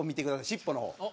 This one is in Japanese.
尻尾の方。